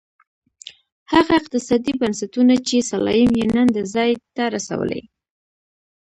هغه اقتصادي بنسټونه چې سلایم یې نن دې ځای ته رسولی.